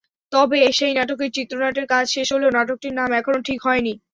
তবে সেই নাটকের চিত্রনাট্যের কাজ শেষ হলেও নাটকটির নাম এখনো ঠিক হয়নি।